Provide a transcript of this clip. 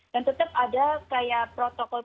dan tetap ada kayak protokol protokolnya